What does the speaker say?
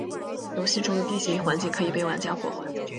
游戏中的地形环境可以被玩家破坏。